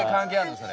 それ。